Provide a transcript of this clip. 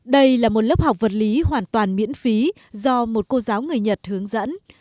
đây là một lớp học vật lý hoàn toàn miễn phí do một cô giáo người nhật hướng dẫn